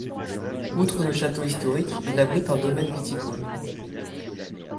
Outre le château historique, il abrite un domaine viticole.